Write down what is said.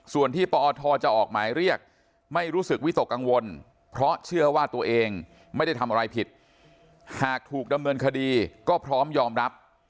ส่วนที่ปอทจะออกหมายเรียกไม่รู้สึกวิตกกังวลเพราะเชื่อว่าตัวเองไม่ได้ทำอะไรผิดหากถูกดำเนินคดีก็พร้อมยอมรับ